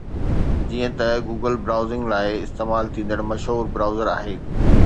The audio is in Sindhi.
جيئن ته گوگل برائوزنگ لاءِ استعمال ٿيندڙ مشهور برائوزر آهي